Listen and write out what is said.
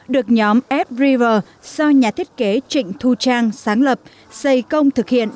được nhóm f rer do nhà thiết kế trịnh thu trang sáng lập xây công thực hiện